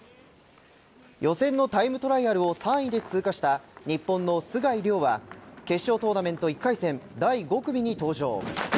予選のタイムトライアルを３位で通過した日本の須貝龍は決勝トーナメント１回戦第５組に登場。